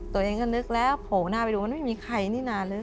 ตัวเองก็นึกแล้วโผล่หน้าไปดูมันไม่มีใครนี่นานเลย